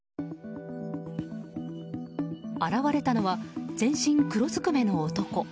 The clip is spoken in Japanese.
現れたのは、全身黒ずくめの男。